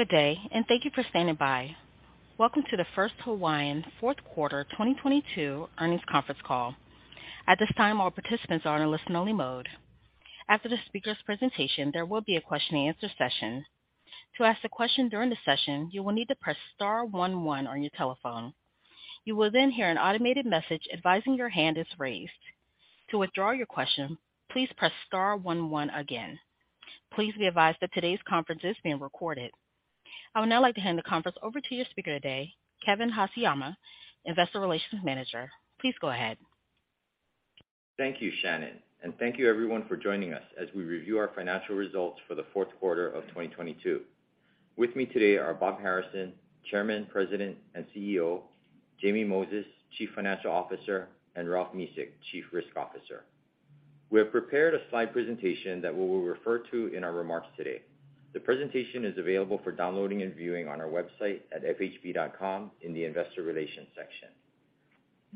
Good day, and thank you for standing by. Welcome to the First Hawaiian fourth quarter 2022 earnings conference call. At this time, all participants are in listen-only mode. After the speaker's presentation, there will be a question-and-answer session. To ask a question during the session, you will need to press star one one on your telephone. You will then hear an automated message advising your hand is raised. To withdraw your question, please press star one one again. Please be advised that today's conference is being recorded. I would now like to hand the conference over to your speaker today, Kevin Haseyama, Investor Relations Manager. Please go ahead. Thank you, Shannon, thank you everyone for joining us as we review our financial results for the fourth quarter of 2022. With me today are Robert Harrison, Chairman, President, and CEO, Jamie Moses, Chief Financial Officer, and Ralph Mesick, Chief Risk Officer. We have prepared a slide presentation that we will refer to in our remarks today. The presentation is available for downloading and viewing on our website at fhb.com in the investor relations section.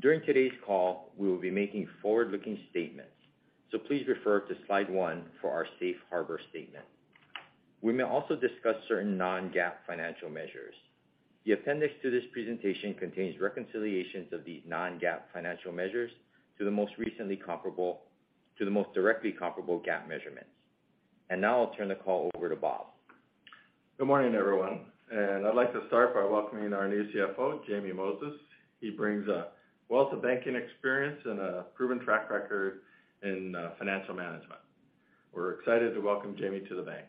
During today's call, we will be making forward-looking statements, please refer to slide one for our safe harbor statement. We may also discuss certain non-GAAP financial measures. The appendix to this presentation contains reconciliations of these non-GAAP financial measures to the most directly comparable GAAP measurements. Now I'll turn the call over to Bob. Good morning, everyone. I'd like to start by welcoming our new CFO, Jamie Moses. He brings a wealth of banking experience and a proven track record in financial management. We're excited to welcome Jamie to the bank.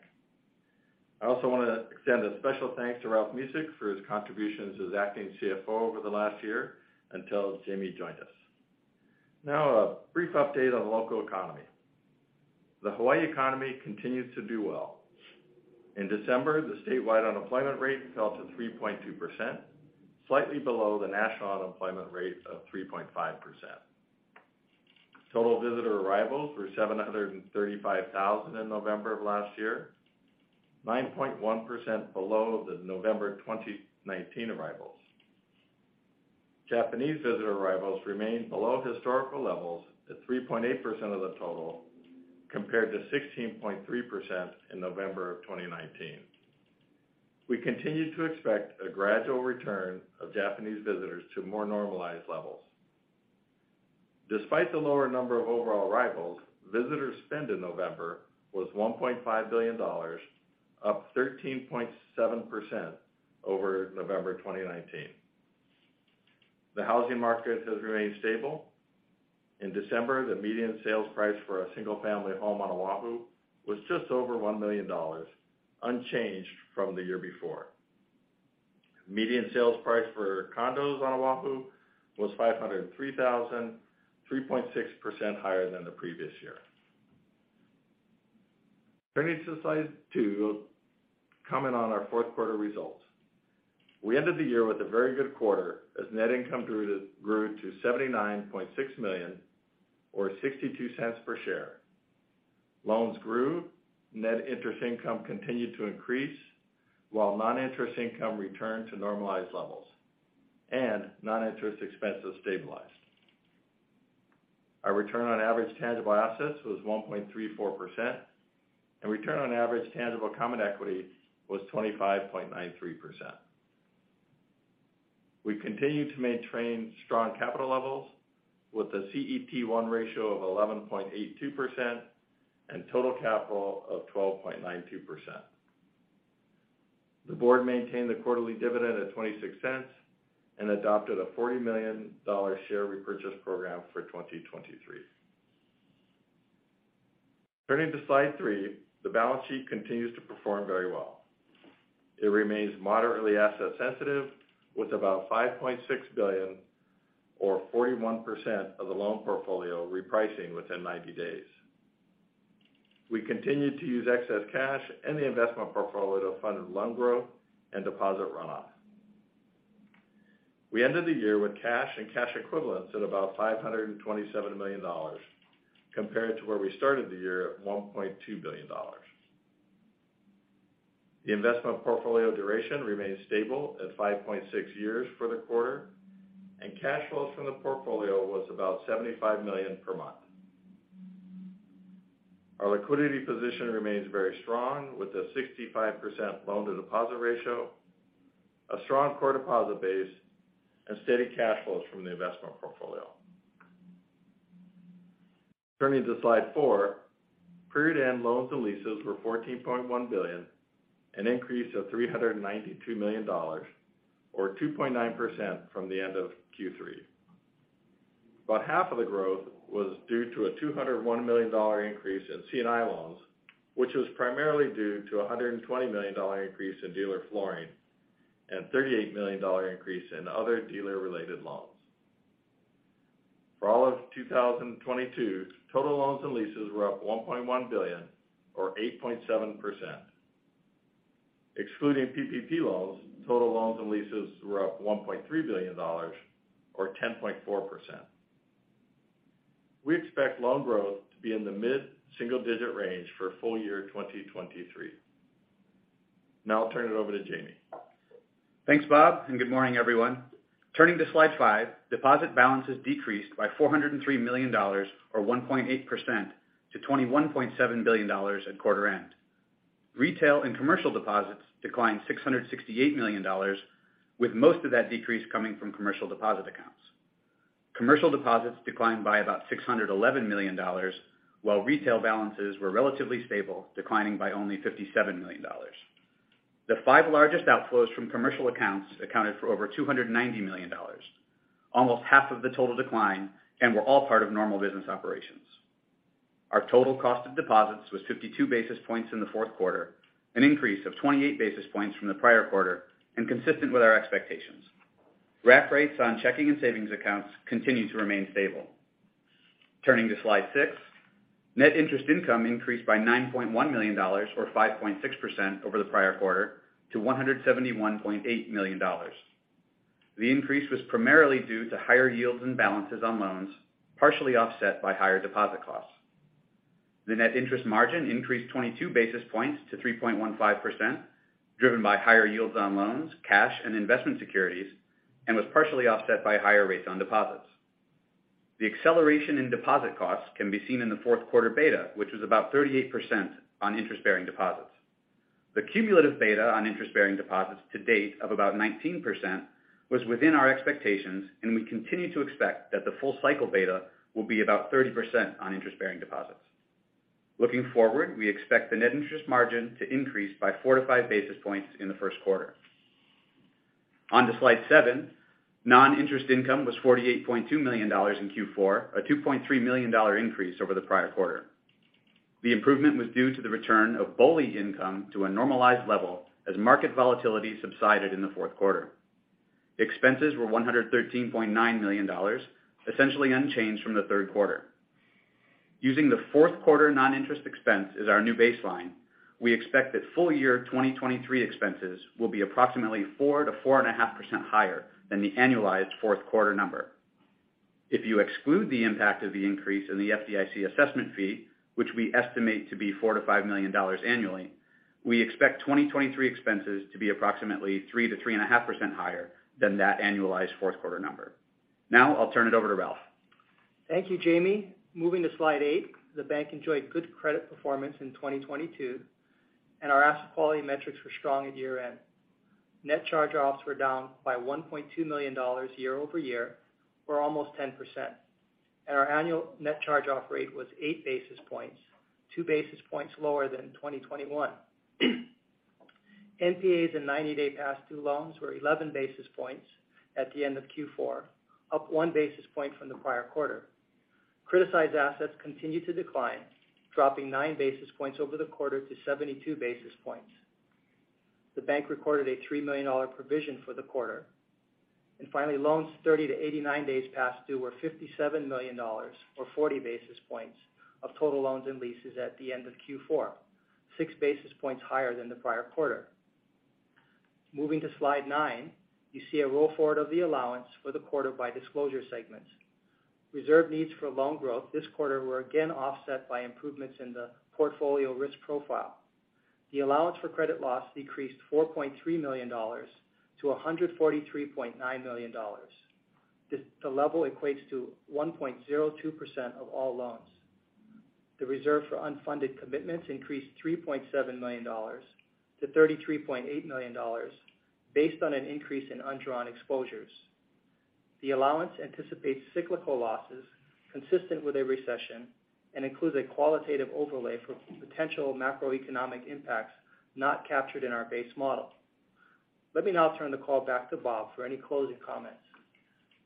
I also want to extend a special thanks to Ralph Mesick for his contributions as acting CFO over the last year until Jamie joined us. Now, a brief update on the local economy. The Hawaii economy continues to do well. In December, the statewide unemployment rate fell to 3.2%, slightly below the national unemployment rate of 3.5%. Total visitor arrivals were 735,000 in November of last year, 9.1% below the November 2019 arrivals. Japanese visitor arrivals remained below historical levels at 3.8% of the total, compared to 16.3% in November of 2019. We continue to expect a gradual return of Japanese visitors to more normalized levels. Despite the lower number of overall arrivals, visitors' spend in November was $1.5 billion, up 13.7% over November 2019. The housing market has remained stable. In December, the median sales price for a single-family home on Oahu was just over $1 million, unchanged from the year before. Median sales price for condos on Oahu was $503,000, 3.6% higher than the previous year. Turning to slide two, comment on our fourth quarter results. We ended the year with a very good quarter as net income grew to $79.6 million or $0.62 per share. Loans grew, net interest income continued to increase, while non-interest income returned to normalized levels and non-interest expenses stabilized. Our return on average tangible assets was 1.34%, and return on average tangible common equity was 25.93%. We continue to maintain strong capital levels with a CET1 ratio of 11.82% and total capital of 12.92%. The board maintained the quarterly dividend at $0.26 and adopted a $40 million share repurchase program for 2023. Turning to slide three, the balance sheet continues to perform very well. It remains moderately asset sensitive, with about $5.6 billion or 41% of the loan portfolio repricing within 90 days. We continue to use excess cash and the investment portfolio to fund loan growth and deposit runoff. We ended the year with cash and cash equivalents at about $527 million compared to where we started the year at $1.2 billion. The investment portfolio duration remains stable at 5.6 years for the quarter. Cash flows from the portfolio was about $75 million per month. Our liquidity position remains very strong with a 65% loan-to-deposit ratio, a strong core deposit base, and steady cash flows from the investment portfolio. Turning to slide four, period-end loans and leases were $14.1 billion, an increase of $392 million or 2.9% from the end of Q3. About half of the growth was due to a $201 million increase in C&I loans, which was primarily due to a $120 million increase in dealer flooring and $38 million increase in other dealer-related loans. For all of 2022, total loans and leases were up $1.1 billion or 8.7%. Excluding PPP loans, total loans and leases were up $1.3 billion or 10.4%. We expect loan growth to be in the mid-single digit range for full year 2023. Now I'll turn it over to Jamie. Thanks, Bob. Good morning, everyone. Turning to slide five. Deposit balances decreased by $403 million or 1.8% to $21.7 billion at quarter end. Retail and commercial deposits declined $668 million, with most of that decrease coming from commercial deposit accounts. Commercial deposits declined by about $611 million, while retail balances were relatively stable, declining by only $57 million. The 5 largest outflows from commercial accounts accounted for over $290 million, almost half of the total decline and were all part of normal business operations. Our total cost of deposits was 52 basis points in the fourth quarter, an increase of 28 basis points from the prior quarter and consistent with our expectations. Our rates on checking and savings accounts continue to remain stable. Turning to slide six. Net interest income increased by $9.1 million or 5.6% over the prior quarter to $171.8 million. The increase was primarily due to higher yields and balances on loans, partially offset by higher deposit costs. The net interest margin increased 22 basis points to 3.15%, driven by higher yields on loans, cash and investment securities, and was partially offset by higher rates on deposits. The acceleration in deposit costs can be seen in the fourth quarter beta, which was about 38% on interest-bearing deposits. The cumulative beta on interest-bearing deposits to date of about 19% was within our expectations, and we continue to expect that the full cycle beta will be about 30% on interest-bearing deposits. Looking forward, we expect the net interest margin to increase by 4 to 5 basis points in the first quarter. On to slide seven Non-interest income was $48.2 million in Q4, a $2.3 million increase over the prior quarter. The improvement was due to the return of BOLI income to a normalized level as market volatility subsided in the fourth quarter. Expenses were $113.9 million, essentially unchanged from the third quarter. Using the fourth quarter non-interest expense as our new baseline, we expect that full year 2023 expenses will be approximately 4% to 4.5% higher than the annualized fourth quarter number. If you exclude the impact of the increase in the FDIC assessment fee, which we estimate to be $4 million-$5 million annually, we expect 2023 expenses to be approximately 3%-3.5% higher than that annualized fourth quarter number. I'll turn it over to Ralph. Thank you, Jamie. Moving to slide eight. The bank enjoyed good credit performance in 2022, our asset quality metrics were strong at year-end. Net charge-offs were down by $1.2 million year-over-year, or almost 10%, our annual net charge-off rate was 8 basis points, 2 basis points lower than in 2021. NPAs in 90-day past due loans were 11 basis points at the end of Q4, up 1 basis point from the prior quarter. Criticized assets continued to decline, dropping 9 basis points over the quarter to 72 basis points. The bank recorded a $3 million provision for the quarter. Finally, loans 30 to 89 days past due were $57 million or 40 basis points of total loans and leases at the end of Q4, 6 basis points higher than the prior quarter. Moving to slide nine. You see a roll forward of the allowance for the quarter by disclosure segments. Reserve needs for loan growth this quarter were again offset by improvements in the portfolio risk profile. The allowance for credit loss decreased $4.3 million to $143.9 million. The level equates to 1.02% of all loans. The reserve for unfunded commitments increased $3.7 million to $33.8 million based on an increase in undrawn exposures. The allowance anticipates cyclical losses consistent with a recession and includes a qualitative overlay for potential macroeconomic impacts not captured in our base model. Let me now turn the call back to Bob for any closing comments.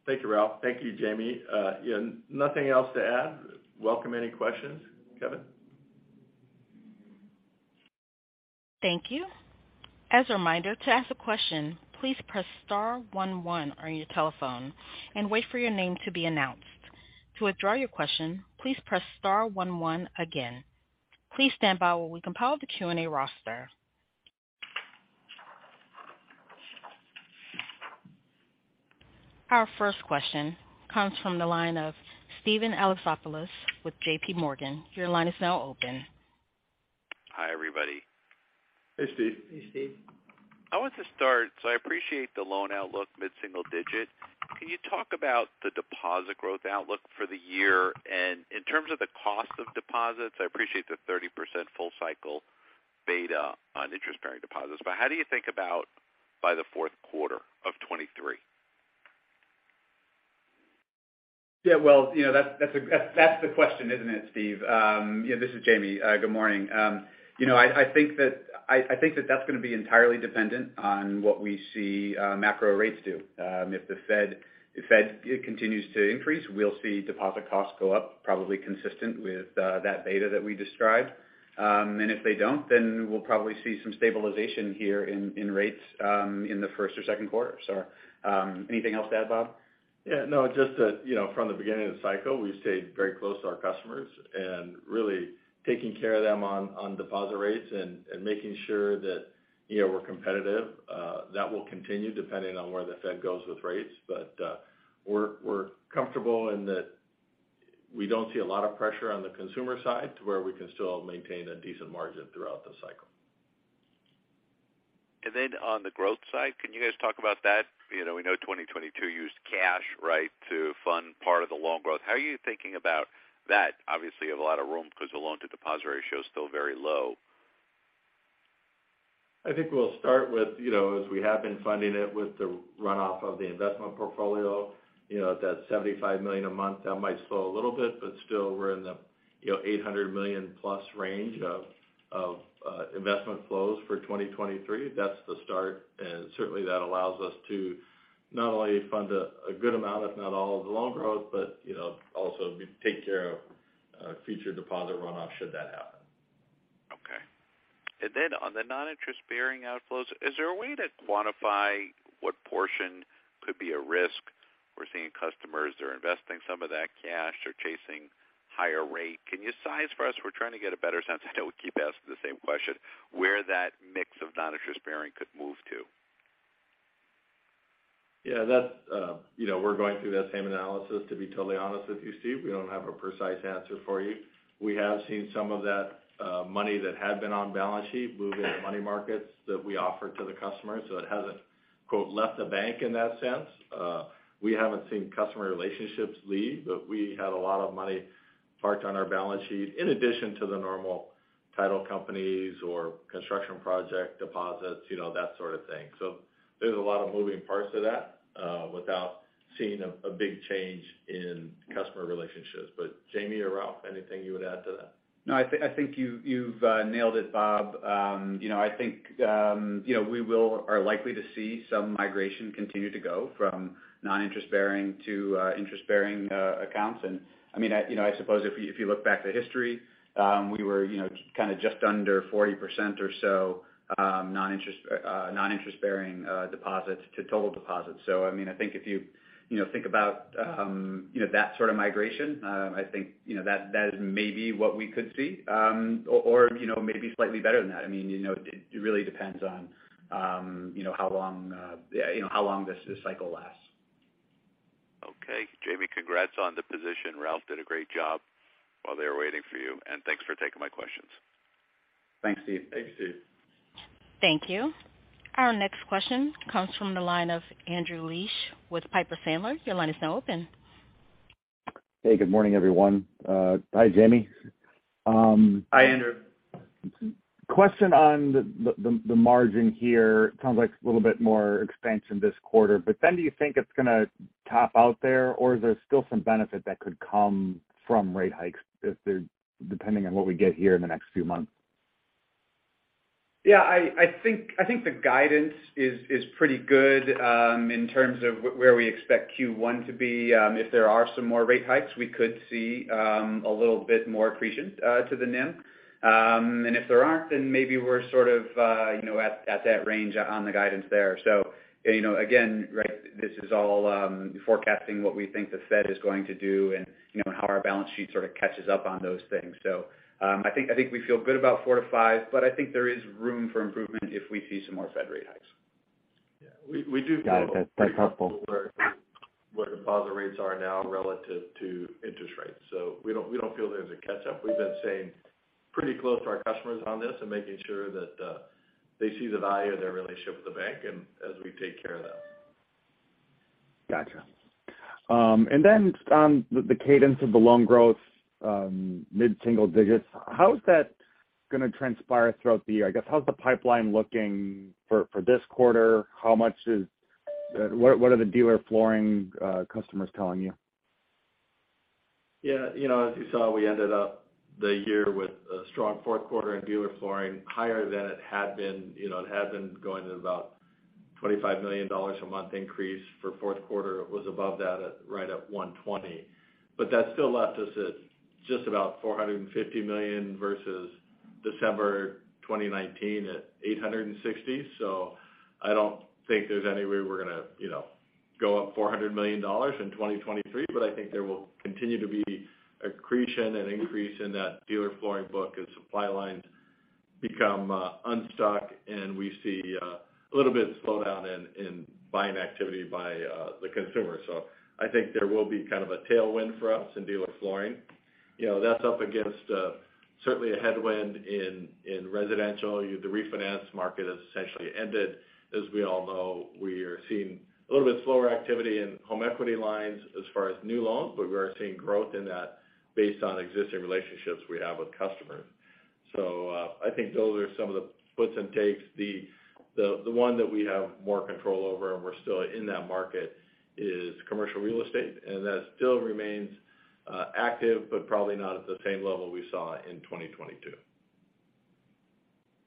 Thank you, Ralph. Thank you, Jamie. Yeah, nothing else to add. Welcome any questions. Kevin? Thank you. As a reminder, to ask a question, please press star one one on your telephone and wait for your name to be announced. To withdraw your question, please press star one one again. Please stand by while we compile the Q&A roster. Our first question comes from the line of Steven Alexopoulos with JPMorgan. Your line is now open. Hi, everybody. Hey, Steve. Hey, Steve. I want to start. I appreciate the loan outlook mid-single digit. Can you talk about the deposit growth outlook for the year? In terms of the cost of deposits, I appreciate the 30% full cycle beta on interest-bearing deposits. How do you think about by the fourth quarter of 2023? Yeah, well, you know, that's the question, isn't it, Steve? Yeah, this is Jamie. Good morning. You know, I think that that's gonna be entirely dependent on what we see macro rates do. If the Fed continues to increase, we'll see deposit costs go up probably consistent with that beta that we described. If they don't, then we'll probably see some stabilization here in rates in the first or second quarter. Anything else to add, Bob? Yeah, no, just that, you know, from the beginning of the cycle, we stayed very close to our customers and really taking care of them on deposit rates and making sure that, you know, we're competitive. That will continue depending on where the Fed goes with rates. We're comfortable in that. We don't see a lot of pressure on the consumer side to where we can still maintain a decent margin throughout the cycle. On the growth side, can you guys talk about that? You know, we know 2022 used cash, right, to fund part of the loan growth. How are you thinking about that? Obviously, you have a lot of room because the loan-to-deposit ratio is still very low. I think we'll start with, you know, as we have been funding it with the runoff of the investment portfolio, you know, that $75 million a month, that might slow a little bit, but still we're in the, you know, $800 million plus range of investment flows for 2023. That's the start, and certainly that allows us to not only fund a good amount, if not all, of the loan growth, but, you know, also take care of future deposit runoff should that happen. Okay. On the non-interest-bearing outflows, is there a way to quantify what portion could be a risk? We're seeing customers, they're investing some of that cash. They're chasing higher rate. Can you size for us? We're trying to get a better sense. I know we keep asking the same question, where that mix of non-interest-bearing could move to. Yeah, that's, you know, we're going through that same analysis, to be totally honest with you, Steve. We don't have a precise answer for you. We have seen some of that money that had been on balance sheet move into money markets that we offer to the customers, so it hasn't, quote, "left the bank" in that sense. We haven't seen customer relationships leave, but we had a lot of money parked on our balance sheet in addition to the normal title companies or construction project deposits, you know, that sort of thing. There's a lot of moving parts to that, without seeing a big change in customer relationships. Jamie or Ralph, anything you would add to that? No, I think you've nailed it, Bob. You know, I think, you know, we are likely to see some migration continue to go from non-interest-bearing to interest-bearing accounts. I mean, I, you know, I suppose if you, if you look back to history, we were, you know, kind of just under 40% or so, non-interest, non-interest-bearing deposits to total deposits. I mean, I think if you know, think about, you know, that sort of migration, I think, you know, that is maybe what we could see, or, you know, maybe slightly better than that. I mean, you know, it really depends on, you know, how long, you know, how long this cycle lasts. Okay. Jamie, congrats on the position. Ralph did a great job while they were waiting for you, and thanks for taking my questions. Thanks, Steve. Thanks, Steve. Thank you. Our next question comes from the line of Andrew Liesch with Piper Sandler. Your line is now open. Hey, good morning, everyone. Hi, Jamie. Hi, Andrew. Question on the margin here. Sounds like a little bit more expansion this quarter, do you think it's gonna top out there, or is there still some benefit that could come from rate hikes depending on what we get here in the next few months? Yeah, I think the guidance is pretty good, in terms of where we expect Q1 to be. If there are some more rate hikes, we could see a little bit more accretion to the NIM. If there aren't, then maybe we're sort of, you know, at that range on the guidance there. You know, again, right, this is all forecasting what we think the Fed is going to do and, you know, how our balance sheet sort of catches up on those things. I think we feel good about four to five, but I think there is room for improvement if we see some more Fed rate hikes. Yeah. We do feel. Got it. That's helpful.... where deposit rates are now relative to interest rates. We don't feel there's a catch-up. We've been saying pretty close to our customers on this and making sure that they see the value of their relationship with the bank and as we take care of them. Gotcha. The cadence of the loan growth, mid-single digits. How is that gonna transpire throughout the year? I guess, how's the pipeline looking for this quarter? What are the dealer flooring customers telling you? Yeah. You know, as you saw, we ended up the year with a strong fourth quarter in dealer flooring, higher than it had been. You know, it had been going at about $25 million a month increase. For fourth quarter, it was above that at right at $120 million. That still left us at just about $450 million versus December 2019 at $860 million. I don't think there's any way we're gonna, you know, go up $400 million in 2023. I think there will continue to be accretion and increase in that dealer flooring book as supply lines become unstuck and we see a little bit of slowdown in buying activity by the consumer. I think there will be kind of a tailwind for us in dealer flooring. You know, that's up against, certainly a headwind in residential. The refinance market has essentially ended. As we all know, we are seeing a little bit slower activity in home equity lines as far as new loans, but we are seeing growth in that based on existing relationships we have with customers. I think those are some of the puts and takes. The, the one that we have more control over and we're still in that market is commercial real estate, and that still remains, active, but probably not at the same level we saw in 2022.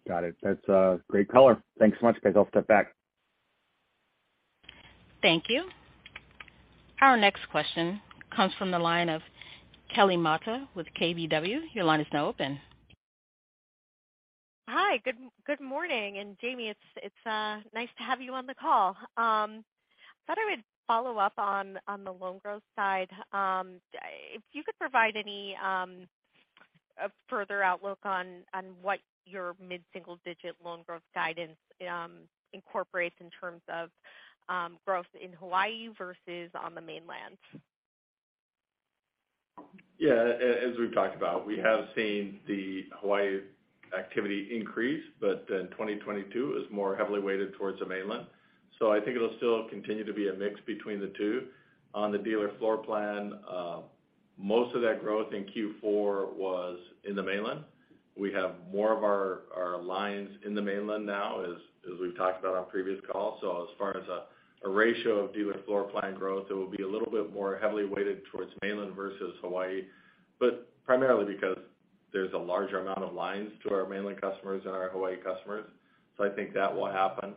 Got it. That's great color. Thanks so much, guys. I'll step back. Thank you. Our next question comes from the line of Kelly Motta with KBW. Your line is now open. Hi. Good morning. Jamie, it's nice to have you on the call. Thought I would follow up on the loan growth side. If you could provide any. A further outlook on what your mid-single-digit loan growth guidance incorporates in terms of growth in Hawaii versus on the mainland. As we've talked about, we have seen the Hawaii activity increase. 2022 is more heavily weighted towards the mainland. I think it'll still continue to be a mix between the two. On the dealer floor plan, most of that growth in Q4 was in the mainland. We have more of our lines in the mainland now as we've talked about on previous calls. As far as a ratio of dealer floor plan growth, it will be a little bit more heavily weighted towards mainland versus Hawaii. Primarily because there's a larger amount of lines to our mainland customers than our Hawaii customers. I think that will happen.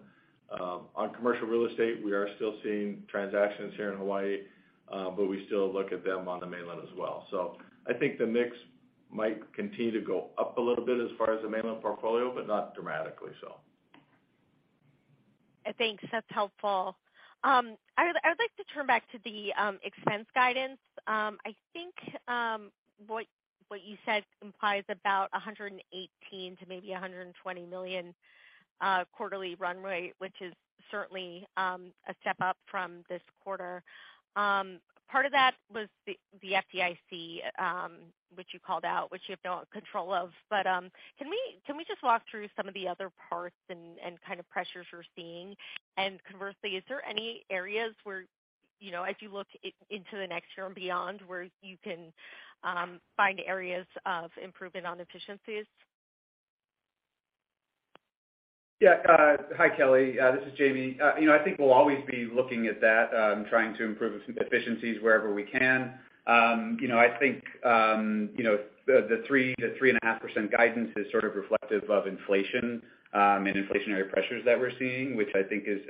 On commercial real estate, we are still seeing transactions here in Hawaii, but we still look at them on the mainland as well. I think the mix might continue to go up a little bit as far as the mainland portfolio, but not dramatically so. Thanks. That's helpful. I would like to turn back to the expense guidance. I think what you said implies about $118 million to maybe $120 million quarterly run rate, which is certainly a step up from this quarter. Part of that was the FDIC, which you called out, which you have no control of. Can we just walk through some of the other parts and kind of pressures you're seeing? Conversely, is there any areas where, you know, as you look into the next year and beyond, where you can find areas of improvement on efficiencies? Yeah. Hi, Kelly. This is Jamie. You know, I think we'll always be looking at that, trying to improve e-efficiencies wherever we can. You know, I think, you know, the 3%-3.5% guidance is sort of reflective of inflation, and inflationary pressures that we're seeing, which I think is,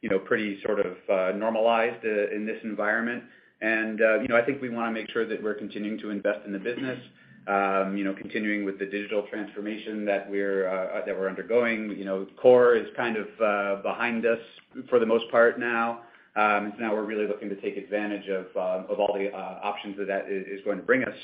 you know, pretty sort of normalized in this environment. You know, I think we want to make sure that we're continuing to invest in the business, you know, continuing with the digital transformation that we're undergoing. You know, core is kind of behind us for the most part now. Now we're really looking to take advantage of all the options that is going to bring us.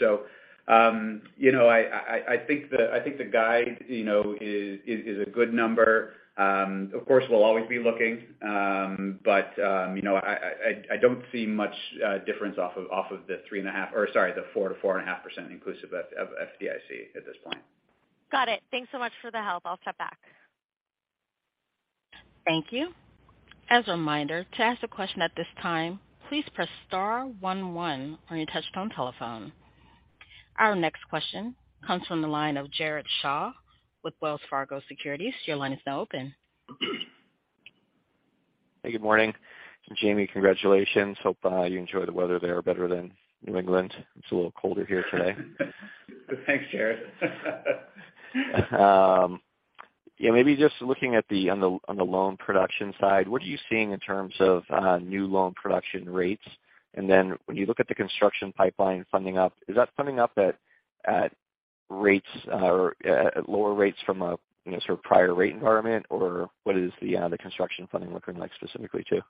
you know, I think the guide, you know, is a good number. Of course, we'll always be looking, you know, I don't see much difference off of the 3.5% outside the 4%-4.5% inclusive of FDIC at this point. Got it. Thanks so much for the help. I'll step back. Thank you. As a reminder, to ask a question at this time, please press star one one on your touchtone telephone. Our next question comes from the line of Jared Shaw with Wells Fargo Securities. Your line is now open. Hey, good morning. Jamie, congratulations. Hope you enjoy the weather there better than New England. It's a little colder here today. Thanks, Jared. Yeah, maybe just looking at the, on the, on the loan production side, what are you seeing in terms of, new loan production rates? When you look at the construction pipeline funding up, is that funding up at rates, or at lower rates from a, you know, sort of prior rate environment? What is the construction funding looking like specifically to?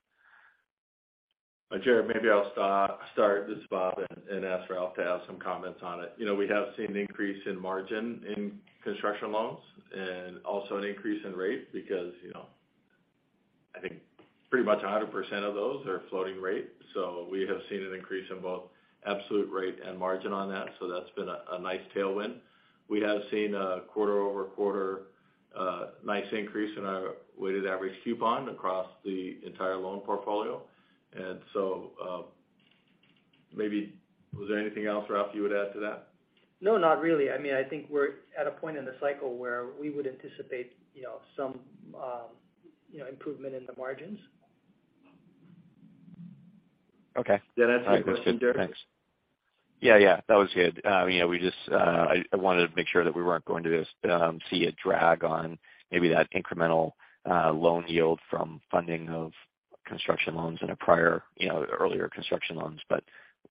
Jared, maybe I'll start. This is Bob and ask Ralph to have some comments on it. You know, we have seen an increase in margin in construction loans and also an increase in rate because, you know, I think pretty much 100% of those are floating rate. We have seen an increase in both absolute rate and margin on that. That's been a nice tailwind. We have seen a quarter-over-quarter nice increase in our weighted average coupon across the entire loan portfolio. Maybe was there anything else, Ralph, you would add to that? No, not really. I mean, I think we're at a point in the cycle where we would anticipate, you know, some, you know, improvement in the margins. Okay. Did that answer your question, Jared? Yeah. Yeah. That was good. You know, we just, I wanted to make sure that we weren't going to just see a drag on maybe that incremental loan yield from funding of construction loans in a prior, you know, earlier construction loans, but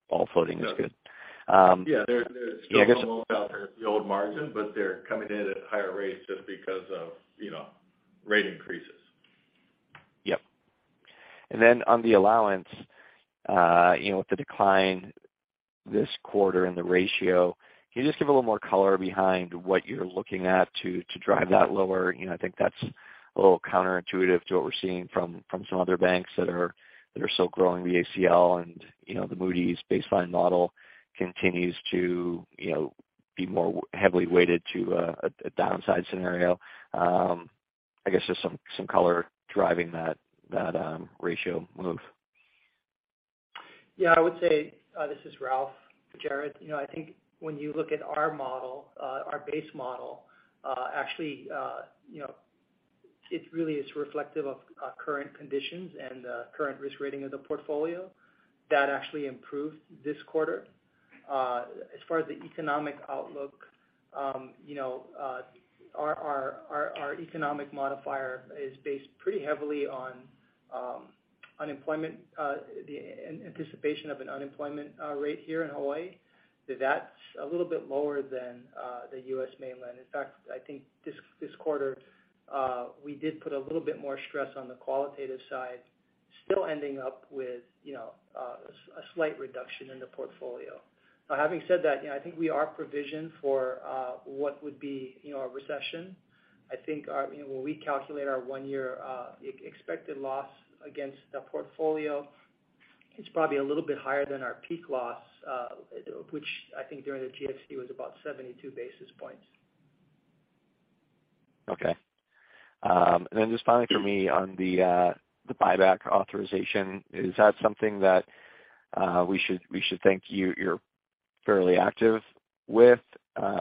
all floating is good. Yeah. Yeah, I guess. The old loans out there at the old margin, but they're coming in at higher rates just because of, you know, rate increases. Yep. On the allowance, you know, with the decline this quarter and the ratio, can you just give a little more color behind what you're looking at to drive that lower? You know, I think that's a little counterintuitive to what we're seeing from some other banks that are still growing the ACL and, you know, the Moody's baseline model continues to, you know, be more heavily weighted to a downside scenario. I guess just some color driving that ratio move. I would say, this is Ralph, Jared. You know, I think when you look at our model, our base model, actually, you know, it really is reflective of current conditions and current risk rating of the portfolio that actually improved this quarter. As far as the economic outlook, you know, our economic modifier is based pretty heavily on unemployment, the anticipation of an unemployment rate here in Hawaii. That's a little bit lower than the U.S. mainland. In fact, I think this quarter, we did put a little bit more stress on the qualitative side. Still ending up with, you know, a slight reduction in the portfolio. Having said that, you know, I think we are provisioned for what would be, you know, a recession. I think our, you know, when we calculate our one year, expected loss against the portfolio, it's probably a little bit higher than our peak loss, which I think during the GFC was about 72 basis points. Okay. Just finally for me on the buyback authorization, is that something that we should think you're fairly active with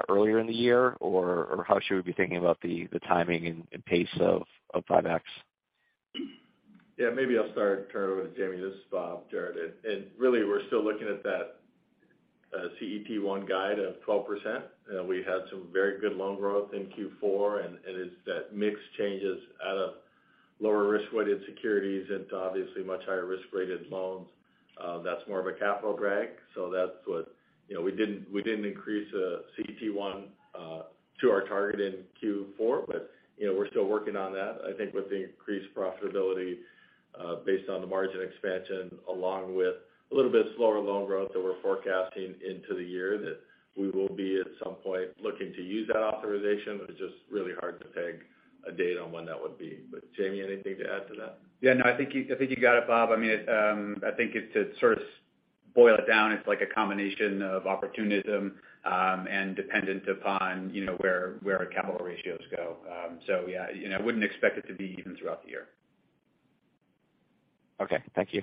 earlier in the year? How should we be thinking about the timing and pace of buybacks? Yeah, maybe I'll start, turn it over to Jamie. This is Bob, Jared. Really, we're still looking at that CET1 guide of 12%. We had some very good loan growth in Q4, and it is that mix changes out of lower risk-weighted securities into obviously much higher risk-rated loans. That's more of a capital drag. You know, we didn't increase the CET1 to our target in Q4, but, you know, we're still working on that. I think with the increased profitability, based on the margin expansion, along with a little bit slower loan growth that we're forecasting into the year, that we will be at some point looking to use that authorization. It's just really hard to peg a date on when that would be. Jamie, anything to add to that? Yeah, no, I think you, I think you got it, Bob. I mean, I think it's to sort of boil it down, it's like a combination of opportunism, and dependent upon, you know, where our capital ratios go. Yeah, you know, I wouldn't expect it to be even throughout the year. Okay, thank you.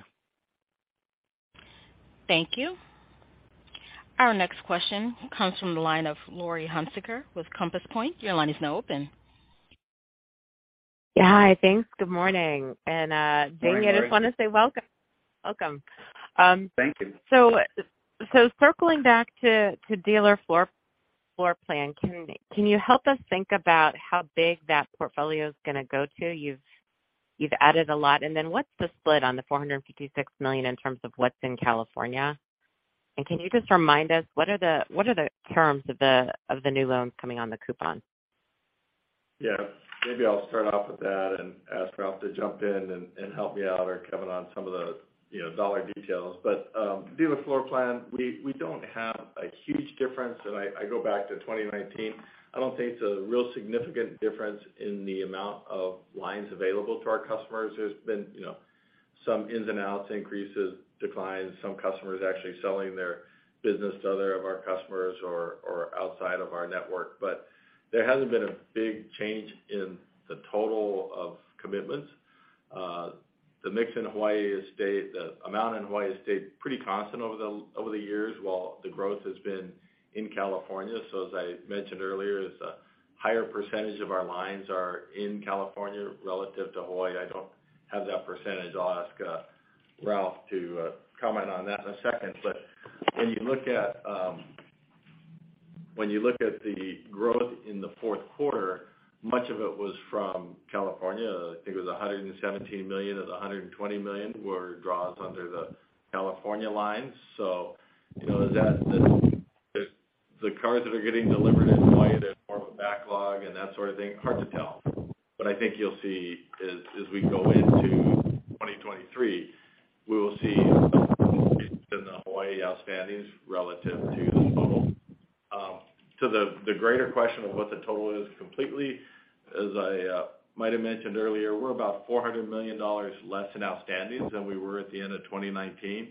Thank you. Our next question comes from the line of Laurie Hunsicker with Compass Point. Your line is now open. Yeah. Hi. Thanks. Good morning. And. Good morning, Laurie. Jamie, I just wanna say welcome. Welcome. Thank you. Circling back to dealer floor plan, can you help us think about how big that portfolio is gonna go to? You've added a lot. What's the split on the $456 million in terms of what's in California? Can you just remind us what are the terms of the new loans coming on the coupon? Maybe I'll start off with that and ask Ralph to jump in and help me out or Kevin on some of the, you know, dollar details. Dealer floor plan, we don't have a huge difference. I go back to 2019. I don't think it's a real significant difference in the amount of lines available to our customers. There's been, you know, some ins and outs, increases, declines, some customers actually selling their business to other of our customers or outside of our network. There hasn't been a big change in the total of commitments. The mix in Hawaii has stayed, the amount in Hawaii has stayed pretty constant over the years, while the growth has been in California. As I mentioned earlier, it's a higher percentage of our lines are in California relative to Hawaii. I don't have that percentage. I'll ask Ralph to comment on that in a second. When you look at, when you look at the growth in the fourth quarter, much of it was from California. I think it was $117 million of the $120 million were draws under the California line. You know, that the cars that are getting delivered in Hawaii, they're more of a backlog and that sort of thing, hard to tell. I think you'll see as we go into 2023, we will see some in the Hawaii outstandings relative to the total. To the greater question of what the total is completely, as I might have mentioned earlier, we're about $400 million less in outstandings than we were at the end of 2019.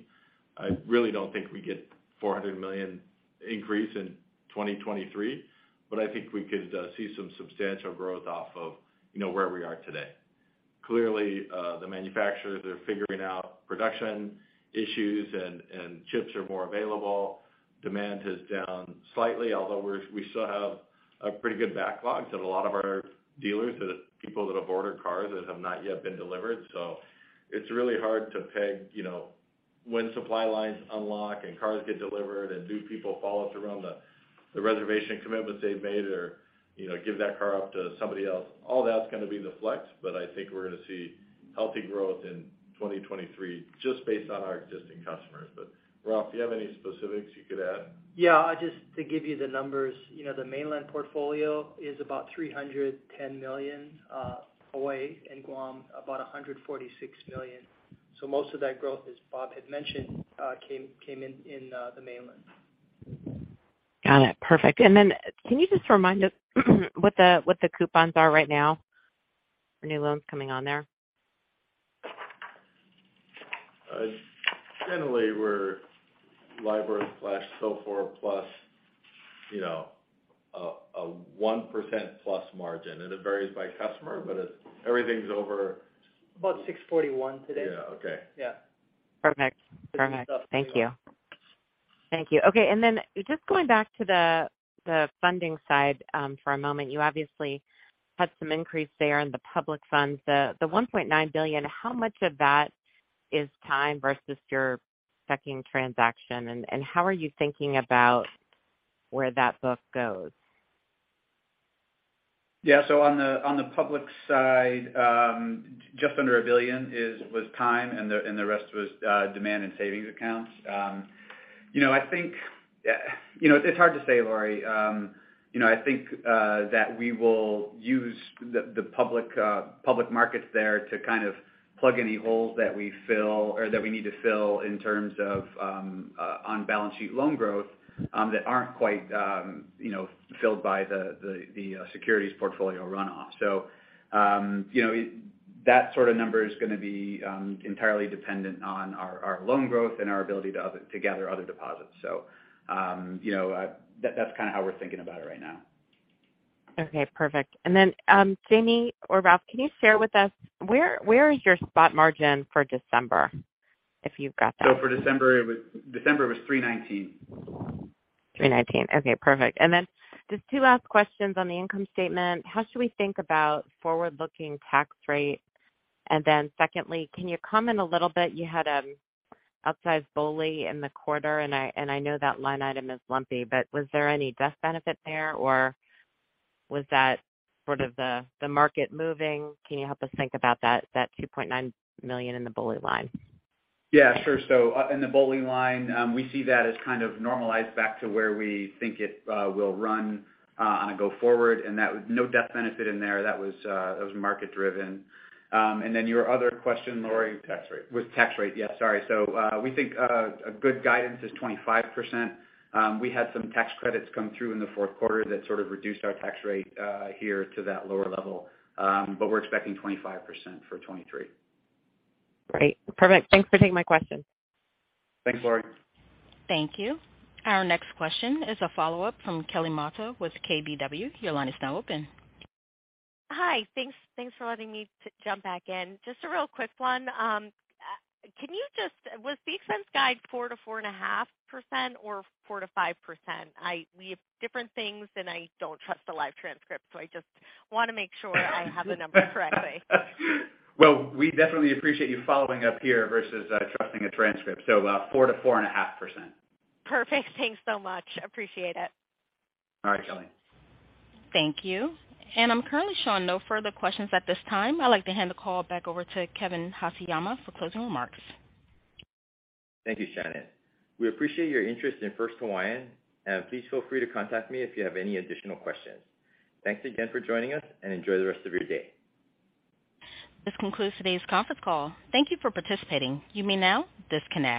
I really don't think we get $400 million increase in 2023, I think we could see some substantial growth off of, you know, where we are today. Clearly, the manufacturers are figuring out production issues and chips are more available. Demand is down slightly, although we still have a pretty good backlogs of a lot of our dealers, the people that have ordered cars that have not yet been delivered. It's really hard to peg, you know, when supply lines unlock and cars get delivered and do people follow through on the reservation commitments they've made or, you know, give that car up to somebody else. All that's gonna be the flex. I think we're gonna see healthy growth in 2023 just based on our existing customers. Ralph, do you have any specifics you could add? Yeah. Just to give you the numbers, you know, the mainland portfolio is about $310 million. Hawaii and Guam, about $146 million. Most of that growth, as Bob had mentioned, came in the mainland. Got it. Perfect. Then can you just remind us what the coupons are right now for new loans coming on there? Generally we're LIBOR slash SOFR plus, you know, a 1% plus margin. It varies by customer, it's, everything's over. About 6:41% today. Yeah. Okay. Yeah. Perfect. Thank you. Just going back to the funding side, for a moment, you obviously had some increase there in the public funds. The $1.9 billion, how much of that is time versus your second transaction and how are you thinking about where that book goes? Yeah. On the public side, just under $1 billion was time, and the rest was demand and savings accounts. You know, I think, you know, it's hard to say, Laurie. You know, I think that we will use the public markets there to kind of plug any holes that we fill or that we need to fill in terms of on balance sheet loan growth that aren't quite, you know, filled by the securities portfolio runoff. You know, that sort of number is gonna be entirely dependent on our loan growth and our ability to gather other deposits. You know, that's kinda how we're thinking about it right now. Okay, perfect. Then, Jamie or Ralph, can you share with us where is your spot margin for December, if you've got that? December, it was $3.19. 319. Okay, perfect. Just 2 last questions on the income statement. How should we think about forward-looking tax rate? Secondly, can you comment a little bit, you had outsized BOLI in the quarter, and I know that line item is lumpy, but was there any death benefit there or was that sort of the market moving? Can you help us think about that $2.9 million in the BOLI line? Yeah, sure. In the BOLI line, we see that as kind of normalized back to where we think it will run on a go forward, and that no death benefit in there. That was, that was market driven. Your other question, Laurie. Tax rate. Was tax rate. Yeah, sorry. We think a good guidance is 25%. We had some tax credits come through in the fourth quarter that sort of reduced our tax rate here to that lower level. We're expecting 25% for 2023. Great. Perfect. Thanks for taking my questions. Thanks, Laurie. Thank you. Our next question is a follow-up from Kelly Motta with KBW. Your line is now open. Hi. Thanks for letting me jump back in. Just a real quick one. Can you, was the expense guide 4% to 4.5% or 4% to 5%? We have different things. I don't trust the live transcript, so I just wanna make sure I have the number correctly. Well, we definitely appreciate you following up here versus, trusting a transcript. 4% to 4.5%. Perfect. Thanks so much. Appreciate it. All right, Kelly. Thank you. I'm currently showing no further questions at this time. I'd like to hand the call back over to Kevin Haseyama for closing remarks. Thank you, Shannon. We appreciate your interest in First Hawaiian, and please feel free to contact me if you have any additional questions. Thanks again for joining us and enjoy the rest of your day. This concludes today's conference call. Thank you for participating. You may now disconnect.